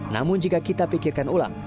namun jika kita pikirkan ulang